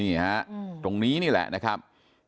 นี่ฮะตรงนี้นี่แหละนะครับ